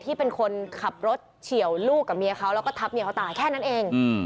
ที่เป็นคนขับรถเฉียวลูกกับเมียเขาแล้วก็ทับเมียเขาตายแค่นั้นเอง